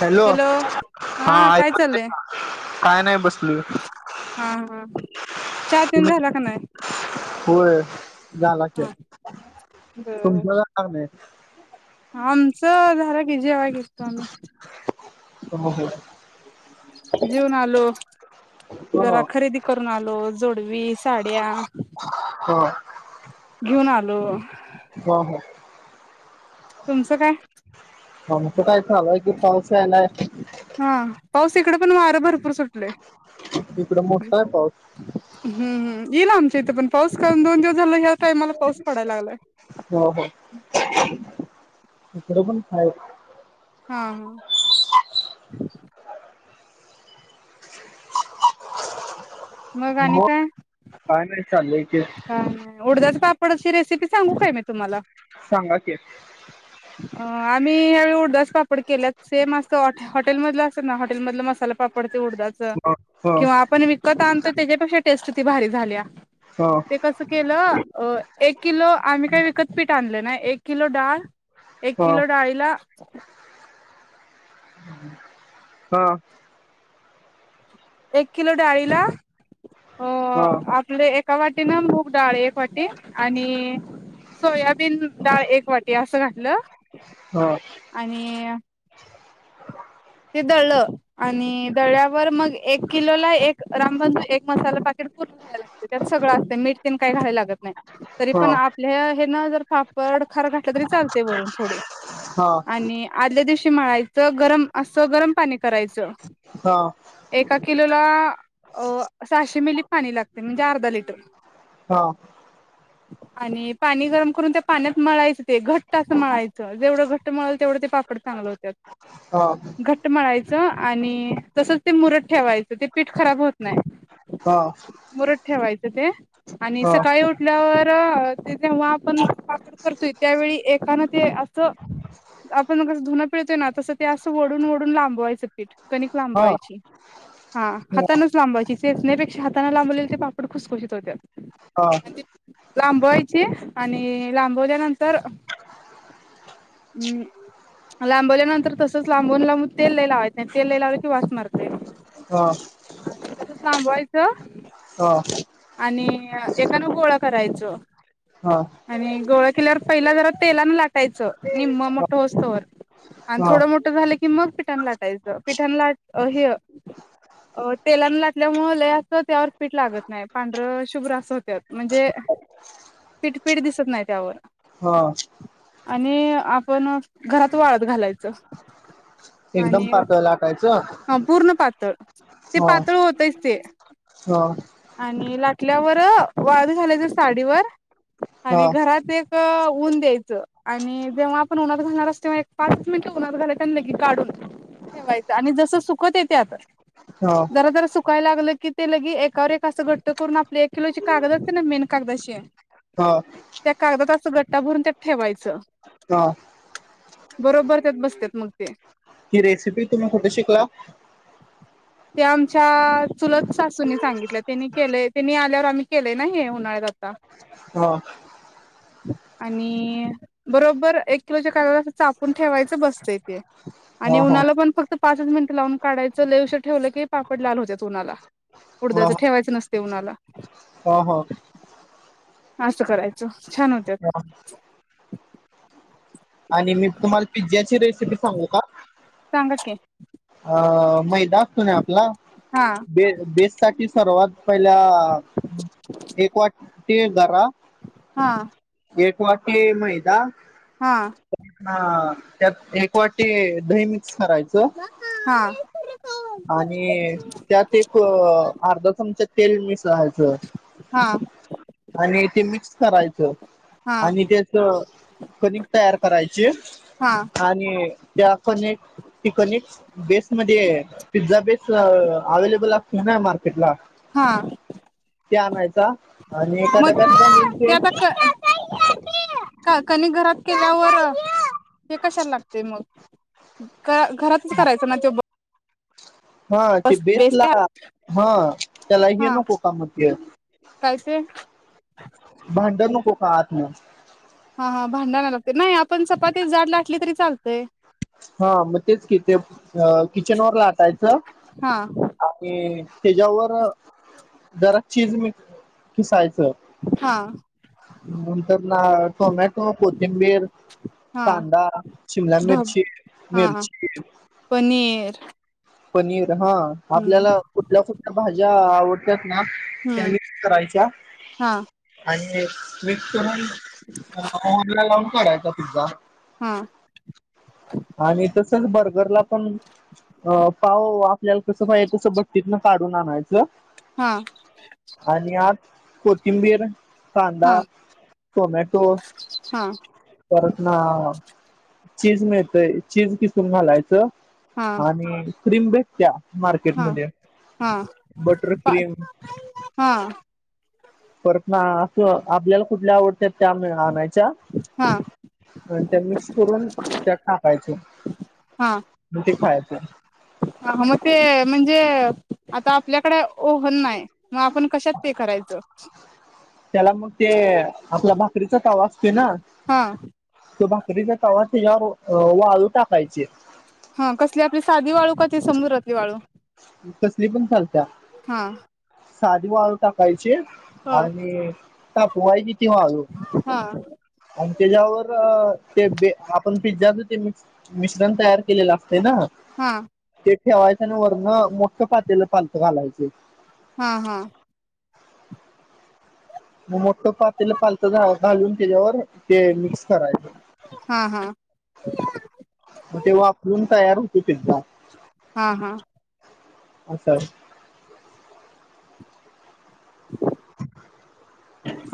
Hello हा काय ऐकू चाललंय काय नाही बस हा हा चहा तेन झाला का नाही होय झाला हा क बर तुमच्या जाणार नाही. आमच झालं कि जेवा काम हो हो जीउन आलो. हो जरा खरेदी करून आलो. जोडवी, साड्या ब घेऊन आलो. हा हा तुमचं काय हम चालू आहे कि पाऊस यायलाय हा पाऊस इकडे पण वार भर तिकड मोठा आहे पाऊस हमम येईल आमच्या इथं पण पाऊस करून दोन दिवस झाला. टायमाला पाऊस पडायला लागलाय हो हो. इकडं पण काय? हा हा. मग म काय नाही चाललं. हा उड पापडची रेसिपी सांगू काय मी तुम्हाला? सांगा कि अमही ह्यावेळी उरदास पा् के सेम टे हॉटेलध असत ना हॉटेलधल मसाला पापड उडच ह ह किंवा आपण विकत आणतो. त्यांच्यापेक्षा टेस्ट ती भारी झाली. ह ते कसं केलं एक किलो आम्ही काही विकत पीठ आणलं नाही. एक किलो डाळ. एक ह किलो डाळीला हा. एक किलो डाळीला अ ह आपले एका वाटी ना मूग डाळ एक वाटी आणि सोयाबीन डाळ एक वाटी असं घातलं. ह ह आणि [unintelligible] ते दळ आणि दळ्यावर मग एक किलो ला एक. रामबान एक मसाला पाकेट पूर्ण घायला लागते त्यात सगळं असते मीठ तेन काही घाय लागत नाही तरी ह ह ह ह ह ह ह पण आपल्या हे ना जर पापड खार घातला तरी चालते वरून थोडे आणि आदल्या दिवशी मळायचं गरम असं गरम पाणी करायचं. एका किलो त्याला सहाशे मिली पाणी लागते म्हणजे अर्धा लिटर हा. आणि पाणी गरम करून त्या पाण्यात मळायचं. ते घट्ट असं मळायचं जेवढं घट्ट मळाल तेवढं ते पापड चांगलं होत. मळायचं आणि तसच ते मुरत ठेवायच. ते पीठ खराब होत नाही मुरत ठेवायचं ते आणि सकाळी उठल्यावर ते तेव्हा आपण वापर करतोय त्यावेळी एकानं ते असं, आपण मग कसं धुना पिळतोय ना. तसं त्या. ओडून ओढून लांबवायचं. कणिक लांबवायची. हा हातानच लांबवायची. चेचण्यापेक्षा हातां लांबले ते पापड खुसखुशीत होते. हा लांबवायची आणि लाभल्यानंतर तर हम. लांबवल्यानंतर तस. लांबून लांून ते न तेल एला वाश मारते. सांबय. च ह आणि एखकानं गोळा करायच. ह ह आणि गोळा पहिला जरा तेला लाग यच निम्म मोठं असतोवर आणि हा थोडं मोठ झालं की मग पिठ लाटायचं पिठान लाट, हे तेलाने लाटल्यामुळे त्यावर पीठ लागत नाही पांढरं शुभ्र असं होत म्हणजे पीठपीठ दिसत नाही त्यावर. हा आणि आप पण घरात वाळत घालायचं. एकदम आणि पातळ लाटायचं ह पूर्ण पातळ ते हा पातळ होतच ते हा आणि लाटल्यावर वाळत घालायचं साडीवर हा आणि घरात एक ऊन द्यायचं, आणि जेव्हा आपण उन्हात घालणारत तेव्हा एक पाच मिनिटे उन्हात घालाय लगी काढून ठेवायचं. आणि जस सुकत येत्यात हा जरा-जरा सुकायला लागलं की ते लगी एकावर एक अस घट्ट करून आप एक किलोच्या कागद असते ना मेन कागदाशीे हा त्या कागदात असं घट्ट भरून त्यात ठेवायचं. हा, बरोबर त्यात बसत्यात मग. ते. ही रेसिपी तुम्ही कुठे शिकला? ते आमच्या चुलत सासूनी सांगितल त्यांनी केलय त्यांनी आल्यावर आम्ही केलय ना हे उन्हाळ्यात आता. हा. आणि बरोबर एक किलोच्या कागदात अस चापून ठेवायचं बसतंय ते. आणि ह ह उन्हाला पण फक्त पाचच मिनिट लावून काढायचं, लय उशर ठेवलं की पापड लाल होत्यात उन्हाला. उडद्याचं ठेवायचं नसत ते ऊनाला. हां, हां. असं करायचं छान होत्यात. आणि मी तुम्हाला पिझ्झज्याची रेसिपी सांगू का? सांगा की. अ मैद असतो ना आपला, हा बे बेस्साठी सर्वात पहिला एक वाट ते दरा हां. एक वाटी मैदा परत ना त्यात एक वाटी दही मिस हा. आणि त्यात एक अर्धा चमचा तेल मिसळायचं. हा. आणि ते मिक्स करायचं. हा आणि तेच कनिक तयार करायचे हा आणि त्या कणिक ती कणिक बेसमध्ये पिझ्झा बेस अवेलेबल असते ना मार्केटला हा, ते आणायचा आणि एका मग डब्यात घालून ते आता क क कनिक घरात केल्यावर ते कशाला लागतय मग [inaudible] ख घरातच करायचं ना त्यो पण हा ते बेसला हा त्याला हे हा नको का म ते काय ते भांड नको [unintelligible] हा हा भांड आणायला लागते नाही आपण चपाती जाड लाटली तरी चालतय हा मग तेच कि ते किचन वर ला टायच हा आणि त्याच्यावर जरा चीज मी खिसायच हा नंतर नारळ टोमॅट त कोथिंबीर, कांदा, शिमला ढब मिरची हा हा मिरची, पनीर पनीर हा हम्म आपल्याला कुठल्या कुठल्या भाज्या आवड [inaudible] त्या हम्म मिक्स करायच्या हा आणि मिक्स करून [unintelligible] लावून काढायचा पिझ्झा हा आणि तसच बर गरला पण अ पाव आपल्याला कसं पाहिज तसं भट्टीतन काढून आणायच हा. आत कोथिंबीर हा कांदा, टोमॅटो हा परत ना चीज मिळतय चीज किसून घालायचं हा आणि क्रीम भेटत्या हा मार्केटमध्ये बटर हा क्रीम [inaudible] हा. परत ना असं आपल्याला कुठल्या आवडत्या त्यामुळे आणायच्या हा [inaudible] ते मिक्स करून त्यात टाक काय च. म ते खायच [unintelligible] हा हा म ते म्हणजे आता आपल्याकड ओव पण नाय मग आपण कशात ते करायचं त्याला के ना हा त बा तरी तवा तेच्यावर वाळू टाकायची हा कसली आपली साधी वाळू का त समुद्रातली वाळू कसली पण चालत्या हा साधी वाळ टाक यची हा आणि तापवायची ती वाळू हा आणि तेज्यावर ते बे आपण पिझ्झाच ते मिक्स मिश्रण तयार केलेल असतय न हा ते ठेवायच आणि वरण मोठं पातेल पालत घालायच हा हा [unintelligible] [inaudible] ते पातेला पालत घा घालून केल्यावर ते मिक्स करायच हा हा मग ते वाफवून तयार होतोय पिझ्झा हा हा असल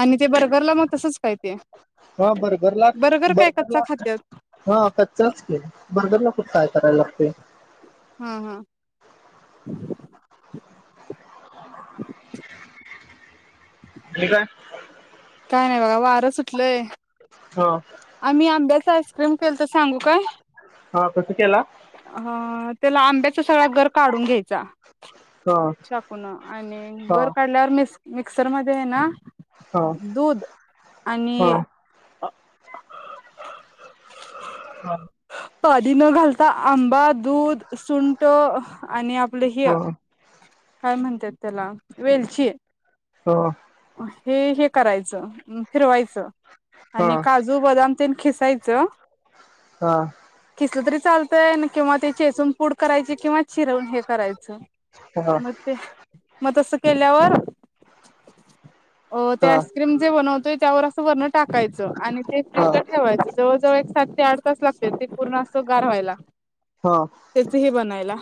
आणि ते बर भरल मग तसंच काय ते हा बर्गरला बर्गर काय कच्चा बर्गरला खात्यात हा कच्चाच कि बर्गर ला कुट काय करायला लागतय हा हा [inaudible] हे काय काय नाय बघा वारं सुटलंय हा आम्ही आंब्याच आईस्क्रीम केलत सांगू काय हा कसं केला अ त्याला आंब्याचा सगळा गर काढून घ्यायचा हा चाकून आणि हा गर काढल्यावर किस्क मिक्स मिक्सर मध्ये आहे ना हा दूध आणि हा हा पानी न घालता आंबा दूध सुंट आणि आपलं हिय हा काय म्हणतात त्याला वेलची हो हे हे करायचं फिरवायचं हा आणि हा काजू बदाम तीन खिस चायच हा क तरी चालतंय किंवा ते चेसून पूड करायची किंवा चिरवून हे करायचं मग ते मग तस केल्यावर अ ते हा आईस्क्रीम जे बनवतोय वर असं वरन टाकायचं आणि ते फ्रिज ल हा ठेवायचं जवळ जवळ एक सात ते आठ तास लागत्यात ते पूर्ण असं गार व्हायला हा त्याचही बनायला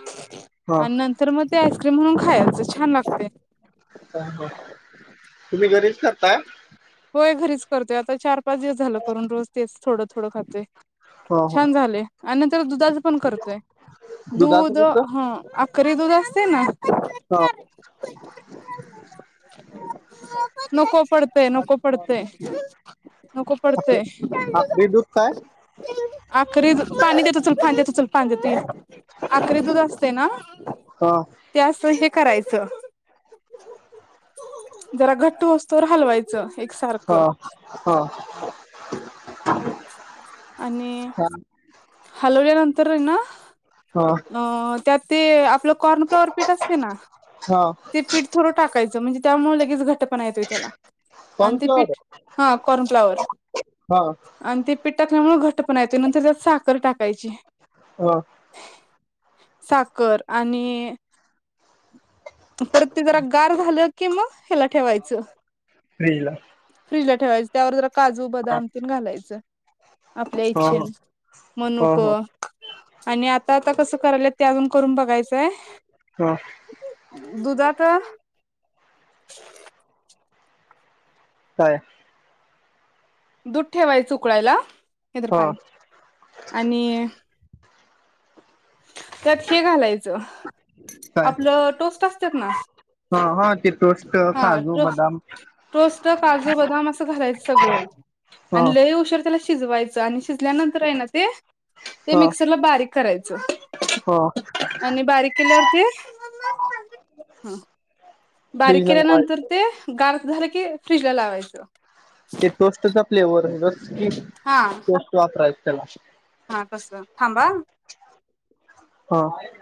हा आणि नंतर मग ते आइस म्हून खायच छान छान लागतय तुम्ही घरीच करताय होय घरीच करतोय आता चार पा च दिवस झाल करून रोज तेच थोड थोड खातोय हो हो छान झाले आणि नंत तर दुधा च करतोय दुध दुधाचं कसं हा करी दूध असते ना हा नको पडतय नको पडतय नको आक पडतेय आकडी दूध काय आखरी पाणी देतो चल पाणी देतो चल पाणी देतो अख दूध असते ना ह त्याअस हे करायचं जरा घट्टू असतो हलवायचं हा एकसारखं हा ह आणि ह हलवल्यानंतर तर येना ह अ त्यात ते आप आपलं कॉर्न फ्लॉवर पीठ असते ना ह ते पीठ थोडं टाकायचं म्हणजे त्यामुळे [unintelligible] घटना. अनते‌पीठ कॉर्नफ्लॉवर क ह टाकल्यामुळे घट पना‌येतो कायची. ह साखर आणि [unintelligible] परत ते जरा गार झालं किंवा ह्याला ठेवायचं. फ्रीजला. फ्रीजला ठेवायचं त्यावर जर काजू, ह बदाम तेन घालायचं. आपल्या ह इच्छेनं ह ह मणूकं आणि आ तर आता कसं करायलाय ते अजून करून बघायचंय. हा दुधात. काय? दूध ठेवायचं उकळायला. हे धर ह पाणी आणि त्यात हे घालायचं काय आपलं टोस्ट असतात ना? ह ह ते टोस्ट हा काजू टो बदाम टोस्ट काजू, बदाम असं घालायचं सगळं ह आणि लई उशीर त्याला शी शिजवायचं आणि शिजल्यानंतर आहे ना ते. ते ह मिक्सरला बारीक करायचं. च्छा ह आणि बारीक केल्यावरती ह बारीक फ्रीजला केल्यानंतर लावायचं ते गा झालं की फ्रीजला लावायचं. ते टोस्टचा फ्लेवर जसं की हा टोस्ट वापराय त्याला हा तस थांबा हा